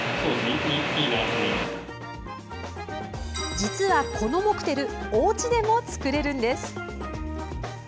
実は、このモクテルおうちでも作れるんです。